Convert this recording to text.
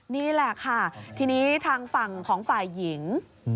นี่แหละค่ะทีนี้ทางฝั่งของฝ่ายหญิง